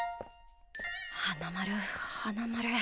花丸花丸。